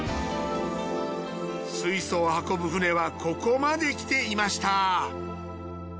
水素を運ぶ船はここまできていました。